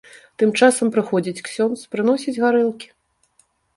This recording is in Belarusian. Тым часам прыходзіць ксёндз, прыносіць гарэлкі.